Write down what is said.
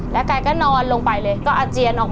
และกลายก็นอนลงไปเลย